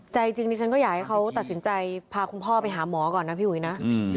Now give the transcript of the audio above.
ใจจริงดิฉันก็อยากให้เขาตัดสินใจพาคุณพ่อไปหาหมอก่อนนะพี่อุ๋ยนะ